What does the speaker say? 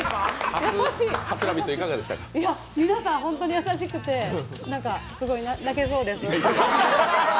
皆さん本当に優しくて泣きそうです。